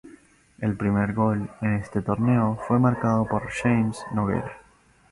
El primer gol en este torneo fue marcado por James Noguera.